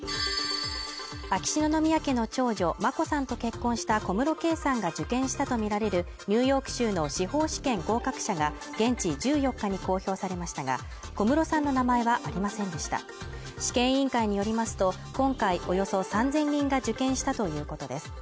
秋篠宮家の長女眞子さんと結婚した小室圭さんが受験したと見られるニューヨーク州の司法試験合格者が現地１４日に公表されましたが小室さんの名前はありませんでした試験委員会によりますと今回およそ３０００人が受験したということです